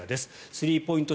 スリーポイント